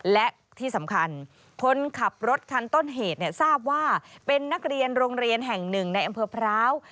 และที่สำคัญคนขับรถคันต้นเหตุทราบว่าเป็นนักเรียนโรงเรียนแห่งหนึ่งในอำเภอพร้าว